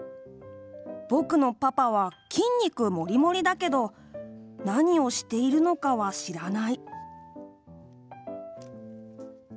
ぼくのパパはきんにくモリモリだけどなにをしているのかはしらない。